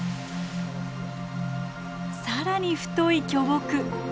さらに太い巨木。